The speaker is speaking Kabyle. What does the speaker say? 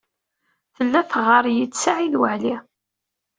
Tella teɣɣar-iyi-d Saɛid Waɛli.